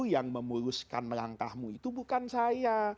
yang memuluskan melangkahmu itu bukan saya